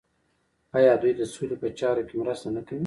آیا دوی د سولې په چارو کې مرسته نه کوي؟